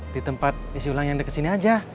di tempat isi ulang yang dekat sini aja